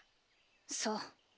そう。